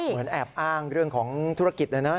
เหมือนแอบอ้างเรื่องของธุรกิจเลยนะ